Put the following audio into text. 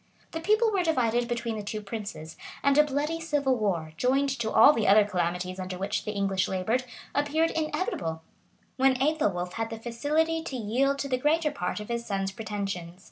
The people were divided between the two princes, and a bloody civil war, joined to all the other calamities under which the English labored, appeared inevitable, when Ethelwolf had the facility to yield to the greater part of his son's pretensions.